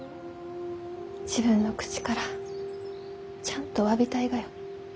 自分の口からちゃんとわびたいがよ。